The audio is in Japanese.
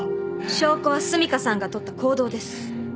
証拠は澄香さんがとった行動です。